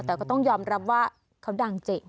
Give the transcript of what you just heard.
แต่ก็ต้องยอมรับว่าเขาดังจริง